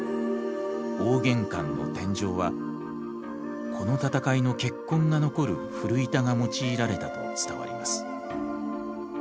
大玄関の天井はこの戦いの血痕が残る古板が用いられたと伝わります。